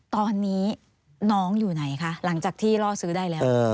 ตอนนี้น้องอยู่ไหนคะหลังจากที่ล่อซื้อได้แล้ว